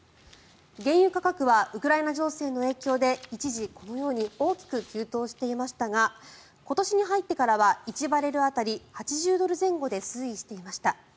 原油価格はウクライナ情勢の影響で一時、このように大きく急騰していましたが今年に入ってからは１バレル当たり８０ドル前後で推移していました。